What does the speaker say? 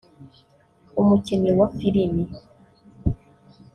umukinnyi wa Filimi